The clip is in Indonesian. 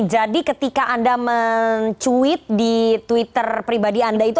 jadi ketika anda mencuit di twitter pribadi anda itu